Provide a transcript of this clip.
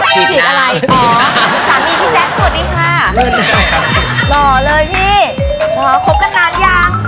ฉีดอะไรอ๋อ